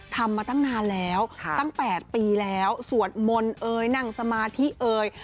ทำมาตั้งนานแล้วตั้ง๘ปีแล้วสวดมนต์เอ่ยนั่งสมาธิเอย